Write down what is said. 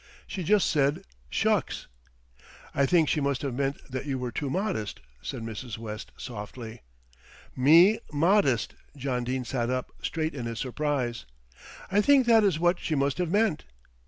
"She just said 'shucks.'" "I think she must have meant that you were too modest," said Mrs. West softly. "Me modest!" John Dene sat up straight in his surprise. "I think that is what she must have meant."